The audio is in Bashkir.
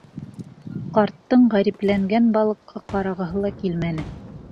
Ҡарттың ғәрипләнгән балыҡҡа ҡарағыһы ла килмәне.